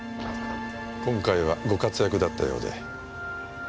今回はご活躍だったようで。